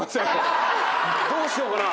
どうしようかな。